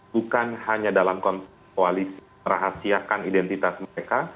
bukan hanya dalam konteks koalisi merahasiakan identitas mereka